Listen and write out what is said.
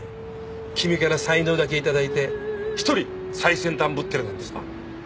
君から才能だけ頂いて一人最先端ぶってるなんてさ。